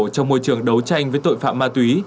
trong môi trường đấu tranh với tội phạm ma túy